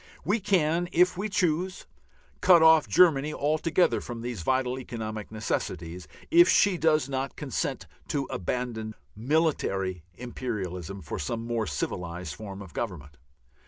We can, if we choose, cut off Germany altogether from these vital economic necessities, if she does not consent to abandon militant imperialism for some more civilized form of government.